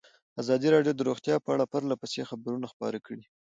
ازادي راډیو د روغتیا په اړه پرله پسې خبرونه خپاره کړي.